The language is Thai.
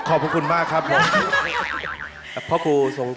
โอ๊ยไหว่ระวัง